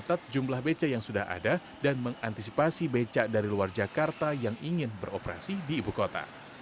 tukang becak ini juga mencatat jumlah becak yang sudah ada dan mengantisipasi becak dari luar jakarta yang ingin beroperasi di ibu kota